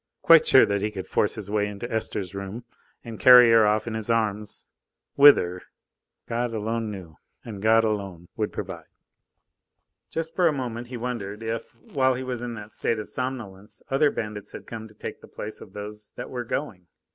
Quite sure that he could force his way into Esther's rooms and carry her off in his arms whither? God alone knew. And God alone would provide. Just for a moment he wondered if, while he was in that state of somnolence, other bandits had come to take the place of those that were going.